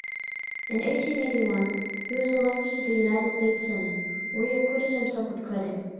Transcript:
In 1881 he was elected to the United States Senate, where he acquitted himself with credit.